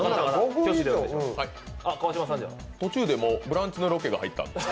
途中で「ブランチ」のロケが入った。